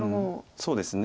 そうですね。